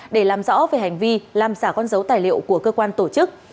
để làm rõ về hành vi làm giả con dấu tài liệu của cơ quan tổ chức